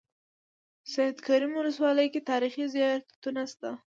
سیدکرم ولسوالۍ کې تاریخي زيارتونه شته.